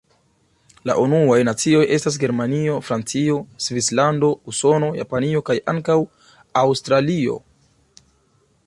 La unuaj nacioj estas Germanio, Francio, Svislando, Usono, Japanio kaj ankaŭ Aŭstralio.